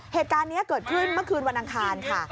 เหตุการณ์นี้เกิดขึ้นเมื่อคืนวันอังคารค่ะ